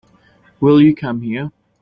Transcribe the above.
Will you come here?